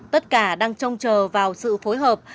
tất cả đang trông chờ vào sự phối hợp